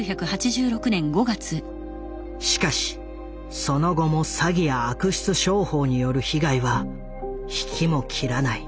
しかしその後も詐欺や悪質商法による被害は引きも切らない。